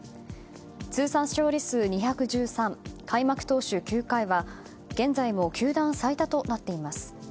通算勝利数２１３開幕投手９回は現在も球団最多となっています。